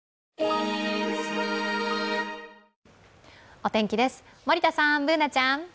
お天気です、森田さん、Ｂｏｏｎａちゃん。